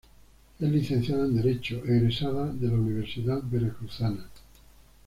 Es licenciada en derecho egresada de la Universidad Veracruzana.